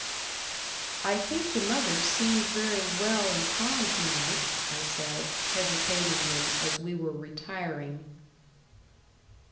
"I think the mother seemed very well and calm to night," I said, hesitatingly, as we were retiring.